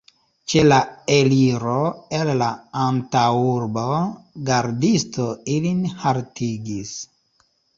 Ĉe la eliro el la antaŭurbo gardisto ilin haltigis.